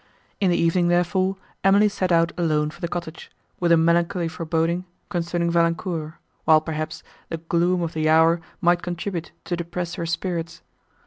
In the evening, therefore, Emily set out alone for the cottage, with a melancholy foreboding, concerning Valancourt, while, perhaps, the gloom of the hour might contribute to depress her spirits.